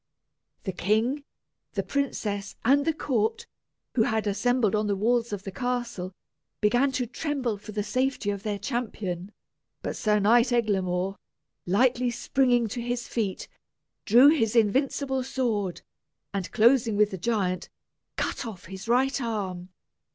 The king, the princess, and the court, who had assembled on the walls of the castle, began to tremble for the safety of their champion. But Sir Eglamour, lightly springing to his feet, drew his invincible sword, and closing with the giant, cut off his right arm.